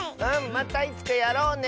またいつかやろうね！